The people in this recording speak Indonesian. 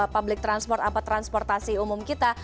public transport apa transportasi umum kita